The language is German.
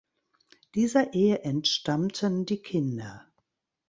Dieser Ehe entstammten die Kinder